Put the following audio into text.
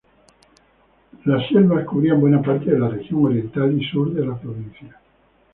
Las selvas cubrían buena parte de la región oriental y sur de la provincia.